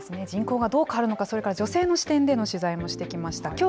人口がどう変わるのか、それから女性の視点での取材もしてきました。